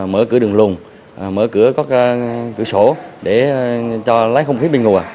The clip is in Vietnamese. mở cửa đường lùng mở cửa các cửa sổ để cho lái không khí bình ngùa